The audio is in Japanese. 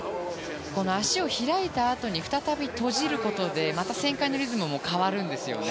足を開いたあとに再び閉じることでまた旋回のリズムも変わるんですよね。